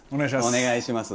お願いします。